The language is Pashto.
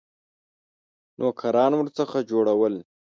نوکران ورڅخه جوړول.